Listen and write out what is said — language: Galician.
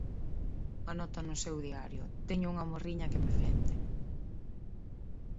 Anota no seu diario: Teño unha morriña que me fende.